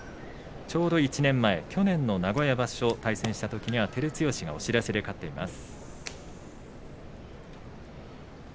ちょうど１年前、去年の名古屋場所、対戦したときは照強が押し出しで勝っています。